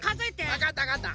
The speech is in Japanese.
わかったわかった。